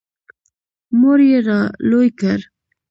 • مور یې را لوی کړ.